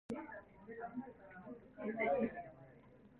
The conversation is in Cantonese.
乾衣乾成日都未乾